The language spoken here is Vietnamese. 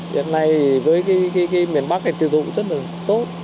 hiện nay với cái miền bắc này tiêu thụ rất là tốt